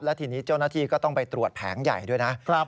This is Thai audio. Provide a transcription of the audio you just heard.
และทีนี้เจ้าหน้าที่ก็ต้องไปตรวจแผงใหญ่ด้วยนะ